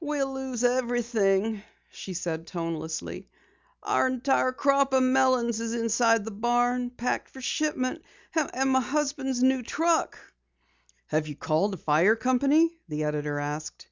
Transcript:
"We'll lose everything," she said tonelessly. "Our entire crop of melons is inside the barn, packed for shipment. And my husband's new truck!" "Have you called a fire company?" the editor asked.